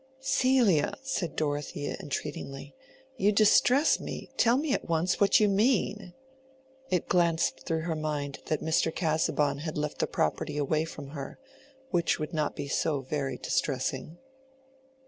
"Celia," said Dorothea, entreatingly, "you distress me. Tell me at once what you mean." It glanced through her mind that Mr. Casaubon had left the property away from her—which would not be so very distressing.